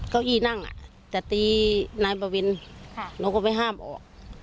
เก้าอี้นั่งจะตีนายบวินหนูก็ไปห้ามออก